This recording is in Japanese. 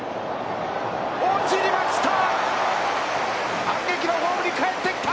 落ちました！